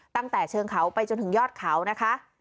ตั้งแต่เชิงเขาไปจนถึงยอดเขานะคะ